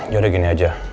ya udah gini aja